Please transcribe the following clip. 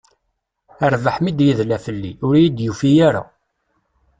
Rrbeḥ mi d-yedla fell-i, ur iyi-d-yufi ara.